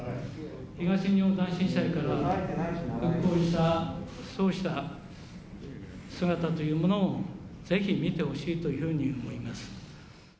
東日本大震災から復興したそうした姿というものを、ぜひ見てほしいというふうに思います。